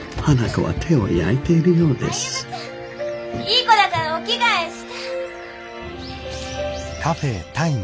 いい子だからお着替えして。